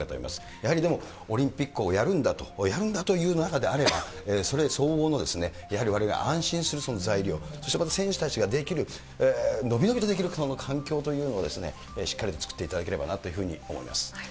やっぱりオリンピックをやるんだと、やるんだという中であれば、それ相応のやはりわれわれが安心する材料、そしてまた選手たちができる、伸び伸びとできる環境というのをしっかりと作っていただければなというふうに思います。